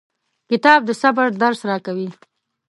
کتاب د صبر درس راکوي.